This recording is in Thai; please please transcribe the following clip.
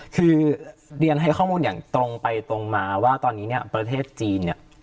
คือเรียนให้ข้อมูลอย่างตรงไปตรงมาว่าตอนนี้เนี่ยประเทศจีนเนี่ย